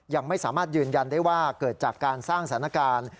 ยังไม่สามารถยืนยันได้ว่าเกิดจากการสร้างสถานการณ์